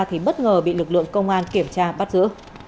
thì bất ngờ bị lực lượng công an kiểm tra bắt giữ